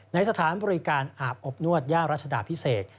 ในสถานบริการอาบอบนวดย่ารัชดาพิเศษ